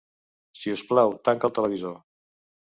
Si us plau, tanca el televisor.